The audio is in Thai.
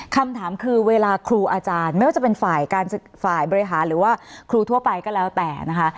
คำถามคือเวลาครูอาจารย์ไม่ว่าจะเป็นฝ่ายบริหารหรือว่าครูทั่วไปก็แล้วแต่นะคะ